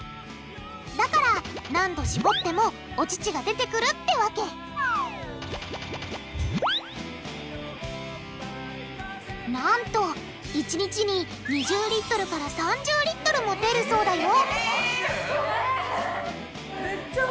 だから何度しぼってもお乳が出てくるってわけなんと１日に２０リットルから３０リットルも出るそうだよ！